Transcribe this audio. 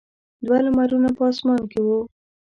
دوه لمرونه په اسمان کې وو.